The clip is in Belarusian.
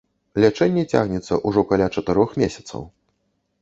Лячэнне цягнецца ўжо каля чатырох месяцаў.